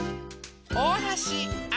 おおはしあ